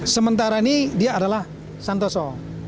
sementara ini dia adalah santoso